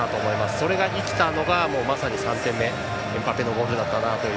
それが生きたのがエムバペのゴールだったなと。